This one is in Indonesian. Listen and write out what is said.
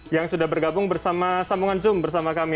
yang sudah bergabung bersama sambungan zoom bersama kami